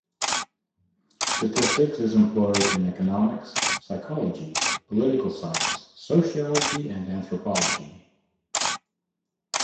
Statistics is employed in economics, psychology, political science, sociology and anthropology.